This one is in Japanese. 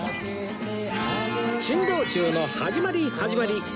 珍道中の始まり始まり！